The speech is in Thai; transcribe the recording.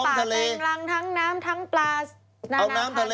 ทั้งป่าเต็งรังทั้งน้ำทั้งปลานานาพันธุ์ทั้งทาง